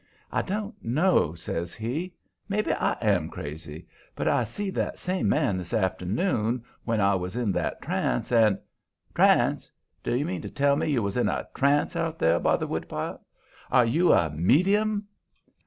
"I don't know," says he. "Maybe I am crazy. But I see that same man this afternoon, when I was in that trance, and " "Trance! Do you mean to tell me you was in a TRANCE out there by the wood pile? Are you a MEDIUM?"